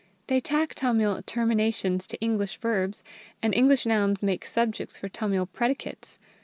They tack Tamil terminations to English verbs, and English nouns make subjects for Tamil predicates.